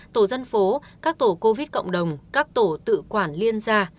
tổ dân phố các tổ covid cộng đồng các tổ tự quản liên gia